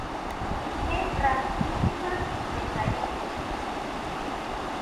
Que rabudísimas me saístes.